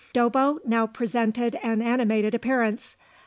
Dobbo now presented an animated appearance.